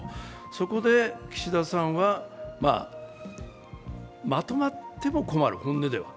そこで岸田さんは、まとまっても困る、本音では。